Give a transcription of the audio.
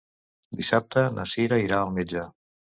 Dissabte na Cira irà al metge.